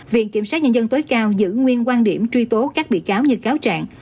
viện kiểm sát nhân dân tối cao giữ nguyên quan điểm truy tố các bị cáo như cáo trạng